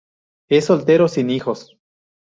Es soltero, sin hijos.